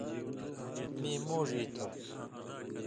می موڙ ایتو